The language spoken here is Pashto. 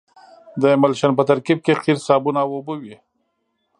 د املشن په ترکیب کې قیر صابون او اوبه وي